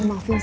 gimana tuh c